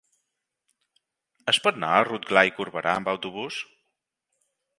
Es pot anar a Rotglà i Corberà amb autobús?